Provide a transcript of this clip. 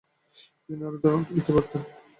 তিনি আরও রান তুলতে পারতেন।